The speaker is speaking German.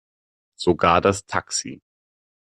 Sogar das Taxi.